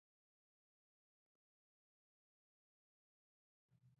هغه زما د مور غوندې بې خولې نه وه.